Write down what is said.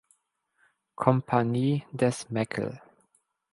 Kompanie des Meckl.